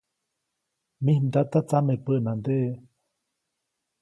Mij mdata tsameʼpänandeʼe.